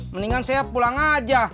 mendingan saya pulang aja